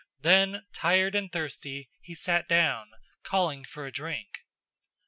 Then, tired and thirsty, he sat down, calling for a drink.